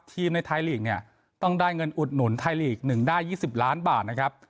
ในไทยลีกเนี่ยต้องได้เงินอุดหนุนไทยลีก๑ได้๒๐ล้านบาทนะครับ